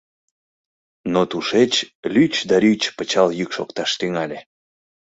Но тушеч лӱч да лӱч пычал йӱк шокташ тӱҥале.